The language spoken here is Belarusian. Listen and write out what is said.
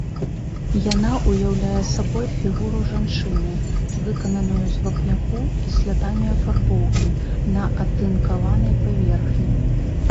Яна ўяўляе сабой фігуру жанчыны, выкананую з вапняку і слядамі афарбоўкі на атынкаванай паверхні.